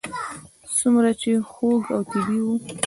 څومره چې خوږ او طبیعي و.